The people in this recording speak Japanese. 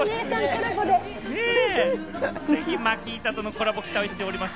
ぜひマキータとのコラボを期待しております。